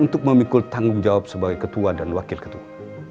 untuk memikul tanggung jawab sebagai ketua dan wakil ketua